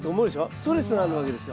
ストレスがあるわけですよ。